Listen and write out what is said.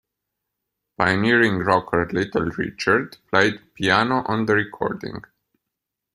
Pioneering rocker Little Richard played piano on the recording.